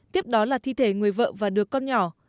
tiếp đó là thi thể người vợ và đứa con nhỏ